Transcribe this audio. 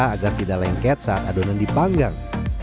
agar tidak lengket saat adonan dipanggang